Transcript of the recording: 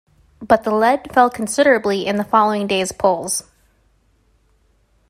But the lead fell considerably in the following day's polls.